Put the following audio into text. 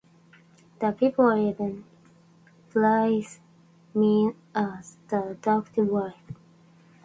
The people even praise me as the doctor's wife.